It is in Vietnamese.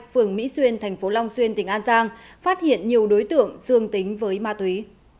phường mỹ xuyên thành phố long xuyên tỉnh an giang phát hiện nhiều đối tượng dương tính với ma túy